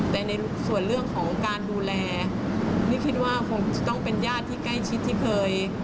แต่ในส่วนเรื่องของการดูแลนี่คิดว่าคงจะต้องเป็นญาติที่ใกล้ชิดที่เคย